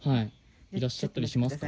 いらっしゃったりしますか。